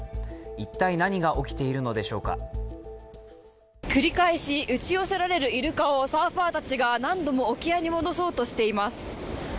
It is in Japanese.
一体、何が起きているのでしょうか繰り返し打ち寄せられるイルカをサーファーたちが何度も沖合に戻そうとしています。